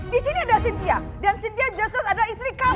di sini ada cynthia dan cynthia joses adalah istri kamu